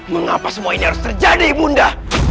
mengapa semua ini harus terjadi bunda